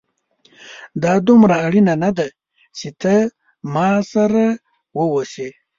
دا دومره اړينه نه ده چي ته زما سره واوسې